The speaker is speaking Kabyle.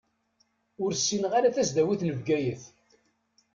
Ur ssineɣ ara tasdawit n Bgayet.